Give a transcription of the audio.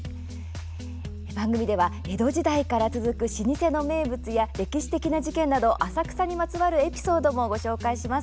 番組では江戸時代から続く老舗の名物や歴史的な事件など浅草にまつわるエピソードもご紹介します。